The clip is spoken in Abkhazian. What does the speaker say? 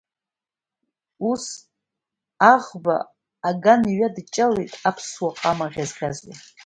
Ус аӷба аган иҩадыҷҷалеит аԥсуа ҟама ӷьазӷьазуа.